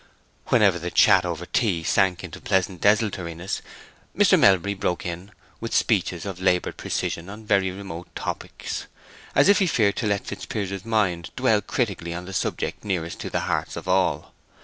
Whenever the chat over the tea sank into pleasant desultoriness Mr. Melbury broke in with speeches of labored precision on very remote topics, as if he feared to let Fitzpiers's mind dwell critically on the subject nearest the hearts of all.